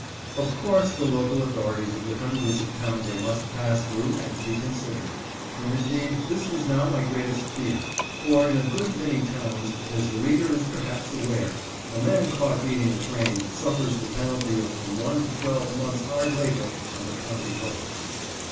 Of course the local authorities of the hundreds of towns I must pass through had to be considered, and indeed this was now my greatest fear, for, in a good many towns, as the reader is perhaps aware, a man caught beating a train suffers the penalty of from one to twelve months hard labor on the county roads.